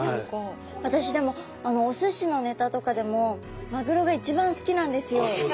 私でもお寿司のネタとかでもマグロが一番好きなんですよ。